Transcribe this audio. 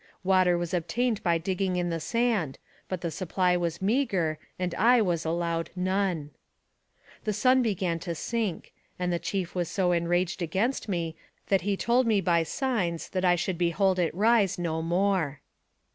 Water was obtained by digging in the sand, but the supply was meager, and I was allowed none. The sun began to sink, and the chief was so enraged against me, that he told me by signs that I should be hold it rise no more.